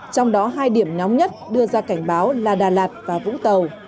trong đó hai điểm nóng nhất đưa ra cảnh báo là đà lạt và vũng tàu